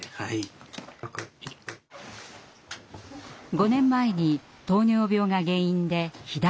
５年前に糖尿病が原因で左脚を切断。